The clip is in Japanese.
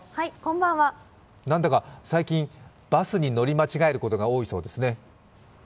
なんだか最近バスに乗り間違えることが多いそうですね？